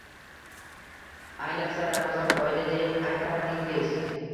Ayniqsa, Ramazon oyida deb, aytardingiz